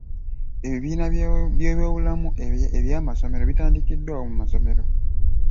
Ebibiina by'ebyobulamu eby'amasomero bitandikiddwawo mu masomero.